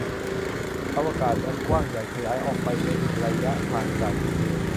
อวกาศอันกว้างใหญ่ขยายออกไปเป็นระยะทางไกล